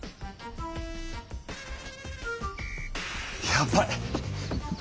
やばい！